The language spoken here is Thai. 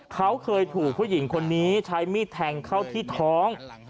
เขาเคยถูกผู้หญิงคนนี้ใช้มีดแทงเข้าที่ท้อง